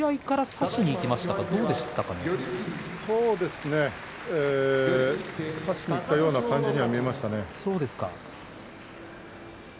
差しにいったような感じには見えましたね。